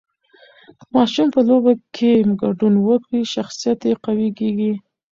که ماشوم په لوبو کې ګډون وکړي، شخصیت یې قوي کېږي.